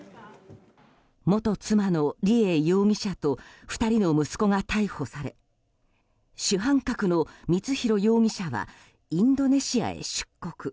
元妻の梨恵容疑者と２人の息子が逮捕され主犯格の光弘容疑者はインドネシアへ出国。